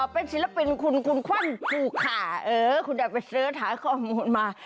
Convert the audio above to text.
เป็นศิลปินคุณคุณควั่นภูขาคุณอยากไปเสิร์ชหาข้อมูลมา